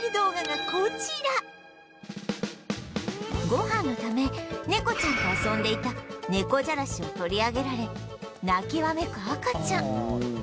ご飯のため猫ちゃんと遊んでいた猫じゃらしを取り上げられ泣きわめく赤ちゃん